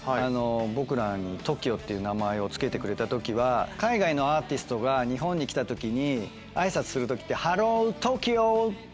僕らにＴＯＫＩＯっていう名前を付けてくれた時は海外のアーティストが日本に来た時に挨拶する時って「ＨｅｌｌｏＴｏｋｙｏ」っていう。